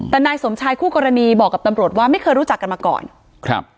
แต่นายสมชายคู่กรณีบอกกับตำรวจว่าไม่เคยรู้จักกันมาก่อนครับ